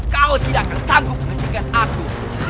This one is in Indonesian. kau tidak akan sanggup mencegat aku